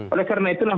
oleh karena itulah